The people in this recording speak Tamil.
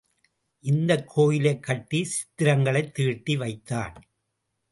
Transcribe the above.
இந்தக் கோயிலைக் கட்டி சித்திரங்களை தீட்டி வைத்தான்.